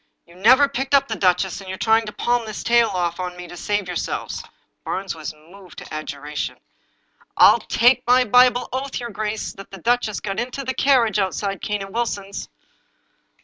You never picked up the duchess, and you're trying to palm this tale off on me to save yourselves." Barnes was moved to adjuration :" I'll take my Bible oath, your grace, that the duchess got into the carriage outside Cane and Wilson's."